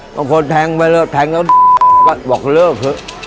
บางคนแทงไปเลยบอกเลิก